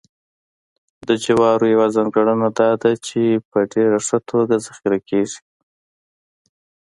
د جوارو یوه ځانګړنه دا ده چې په ډېره ښه توګه ذخیره کېږي